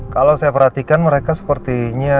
kalau saya perhatikan mereka sepertinya